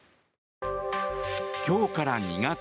今日から２月。